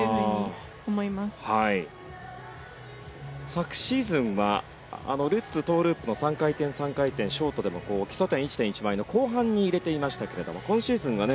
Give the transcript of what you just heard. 昨シーズンはルッツトーループの３回転３回転ショートでも基礎点１．１倍の後半に入れていましたけれども今シーズンはね